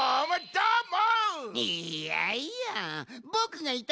どーも！